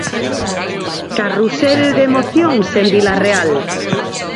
Carrusel de emocións en Vilarreal.